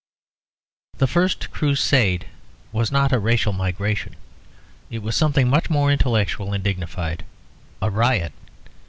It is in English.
The First Crusade was not a racial migration; it was something much more intellectual and dignified; a riot.